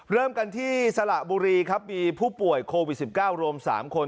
เริ่มกันที่สระบุรีครับมีผู้ป่วยโควิด๑๙รวม๓คน